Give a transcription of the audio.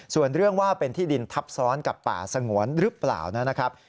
ส่วนเรื่องว่าเป็นที่ดินทับซ้อนกับป่าสงวนหรือเปล่านะครับ